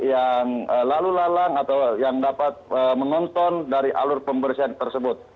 yang lalu lalang atau yang dapat menonton dari alur pembersihan tersebut